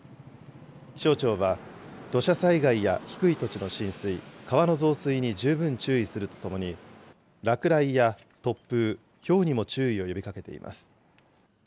気象庁は、土砂災害や低い土地の浸水、川の増水に十分注意するとともに、落雷や突風、ひょうにも注意を呼びかけています。